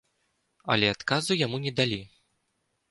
Але адказу яму не далі.